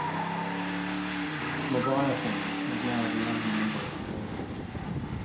Leviathan is now the only member of the band.